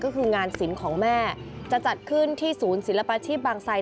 ก็คืองานศิลป์ของแม่จะจัดขึ้นที่ศูนย์ศิลปาชีพบางไซ